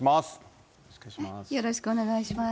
お願いしよろしくお願いします。